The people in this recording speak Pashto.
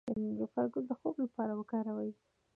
د نیلوفر ګل د خوب لپاره وکاروئ